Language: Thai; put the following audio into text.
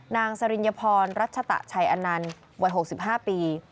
สริญพรรัชตะชัยอนันต์วัย๖๕ปี